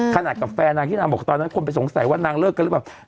ขนาดกับแฟนนางที่นางบอกตอนนั้นคนไปสงสัยว่านางเลิกกันหรือเปล่า